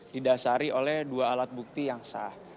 didasari oleh dua alat bukti yang sah